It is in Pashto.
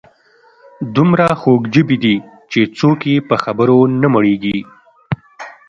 دومره خوږ ژبي دي چې څوک یې په خبرو نه مړیږي.